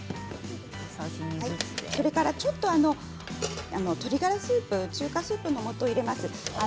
それからちょっと鶏ガラスープ中華スープのもとを入れます。